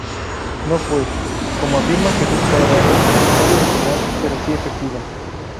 No fue, como afirma Jesús Cuadrado, muy original, pero sí efectiva.